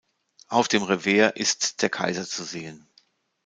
Auf dem Revers ist der Kaiser zu sehen.